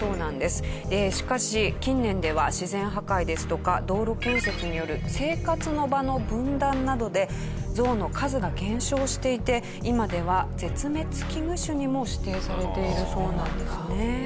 しかし近年では自然破壊ですとか道路建設による生活の場の分断などでゾウの数が減少していて今では絶滅危惧種にも指定されているそうなんですね。